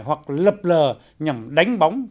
hoặc lập lờ nhằm đánh bóng